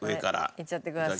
いっちゃってください。